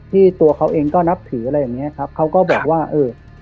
ตัวเขาเองก็นับถืออะไรอย่างเงี้ยครับเขาก็บอกว่าเออ